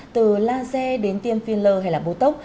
từ laser đến tiêm filler hay là bố tốc